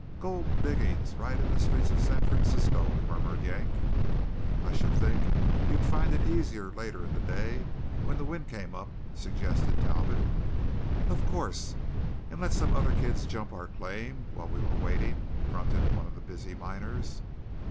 "Gold diggings right in the streets of San Francisco," murmured Yank. "I should think you'd find it easier later in the day when the wind came up?" suggested Talbot. "Of course; and let some other kids jump our claim while we were waiting," grunted one of the busy miners.